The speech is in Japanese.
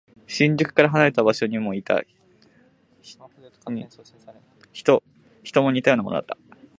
新宿から離れた場所にいた人も似たようなものだった。